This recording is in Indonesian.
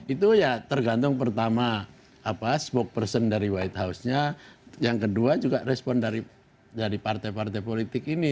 itu ya tergantung pertama sboke person dari white house nya yang kedua juga respon dari partai partai politik ini